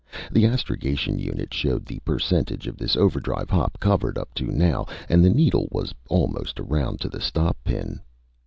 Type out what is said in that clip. The astrogation unit showed the percentage of this overdrive hop covered up to now, and the needle was almost around to the stop pin.